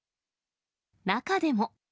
中でも。